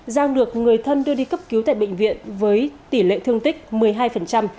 giang được người thân đưa đi cấp cứu tại bệnh viện với tỷ lệ thương tích một mươi hai